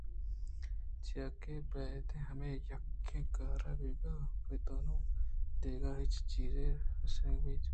چیاکہ بیدے ہمے یکّیں کارءَ پہ تو نوں دگہ ہچ چیز سرنیتکگ